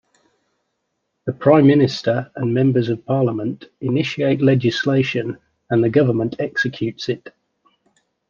The Prime Minister and members of Parliament initiate legislation and the government executes it.